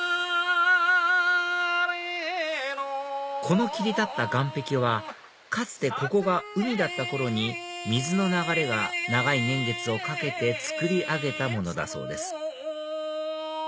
この切り立った岩壁はかつてここが海だった頃に水の流れが長い年月をかけてつくり上げたものだそうです